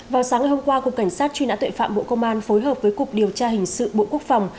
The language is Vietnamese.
vào sáng ngày hôm qua cục cảnh sát truy nã tuệ phạm bộ công an phối hợp với cục điều tra hình sự bộ quốc phòng